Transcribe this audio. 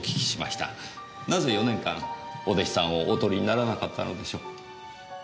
なぜ４年間お弟子さんをおとりにならなかったのでしょう？